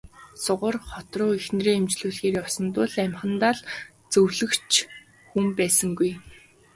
Сугар хот руу эхнэрээ эмчлүүлэхээр явсан тул амьхандаа зөвлөх ч хүн байсангүй.